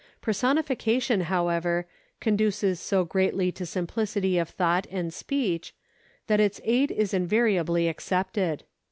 Personifi cation, however, conduces so greatly to simplicity of thought and speech, that its aid is invariably accepted.